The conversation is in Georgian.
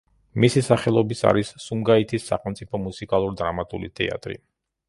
მისი სახელობის არის სუმგაითის სახელმწიფო მუსიკალურ-დრამატული თეატრი.